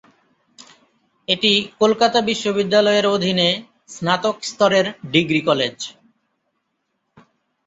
এটি কলকাতা বিশ্ববিদ্যালয়ের অধীনে স্নাতক স্তরের ডিগ্রি কলেজ।